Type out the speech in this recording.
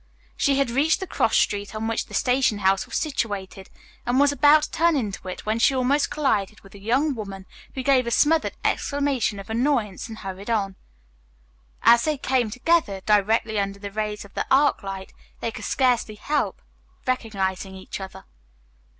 She had reached the cross street on which the station house was situated and was about to turn into it when she almost collided with a young woman who gave a smothered exclamation of annoyance and hurried on. As they came together directly under the rays of the arc light, they could scarcely help recognizing each other.